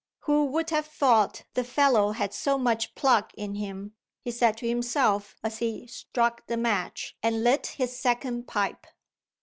"Who would have thought the fellow had so much pluck in him!" he said to himself as he struck the match and lit his second pipe.